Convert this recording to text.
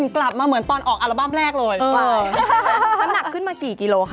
กลับมาเหมือนออกแรกเลย